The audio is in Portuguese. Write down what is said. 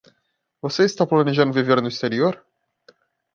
Você está planejando viver no exterior?